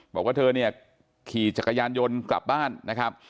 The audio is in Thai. บอกว่าเธอเนี่ยขี่จักรยานยนต์กลับบ้านนะครับ